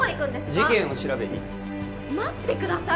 事件を調べに待ってください